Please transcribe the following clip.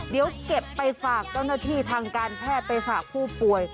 เดี๋ยวเก็บไปฝากเจ้าหน้าที่ทางการแพทย์ไปฝากผู้ป่วย